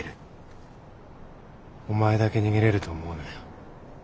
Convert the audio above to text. お前だけ逃げれると思うなよ。